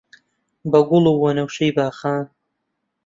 بە گوڵ و وەنەوشەی باغان